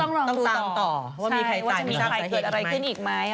ก็ต้องลองดูต่อต้องตามต่อว่ามีใครตายมีใครเกิดอะไรขึ้นอีกไหม